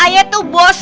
ayah tuh bos bang